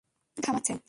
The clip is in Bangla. তোকে কে থামাচ্ছে?